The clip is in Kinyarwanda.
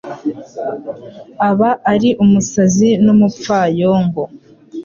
aba ari umusazi n’umupfayongo